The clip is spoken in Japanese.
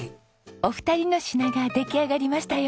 お二人の品が出来上がりましたよ。